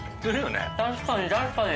確かに確かに！